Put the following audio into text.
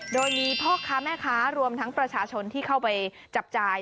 โดยมีพ่อค้าแม่ค้ารวมทั้งประชาชนที่เข้าไปจับจ่าย